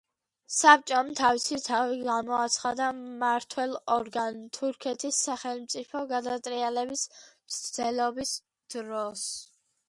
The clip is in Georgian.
საბჭომ თავისი თავი გამოაცხადა მმართველ ორგანოდ თურქეთის სახელმწიფო გადატრიალების მცდელობის დროს.